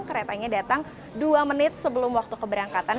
keretanya datang dua menit sebelum waktu keberangkatan